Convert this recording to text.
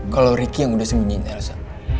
kalo ricky yang udah sembunyikan elsa